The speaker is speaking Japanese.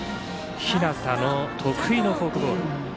日當の得意のフォークボール。